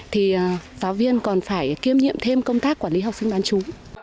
thì giáo viên còn phải kiêm nhiệm thêm công tác quản lý học sinh bán chú